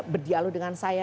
berdialog dengan saya